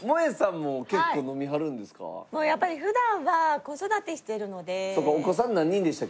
やっぱり普段は子育てしてるので。